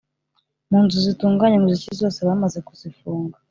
Munzu zitunganya umuziki zose bamaze kuzifunga